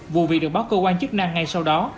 vụ việc được báo cơ quan chức năng ngay sau đó